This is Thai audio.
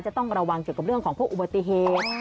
จะต้องระวังเกี่ยวกับเรื่องของพวกอุบัติเหตุ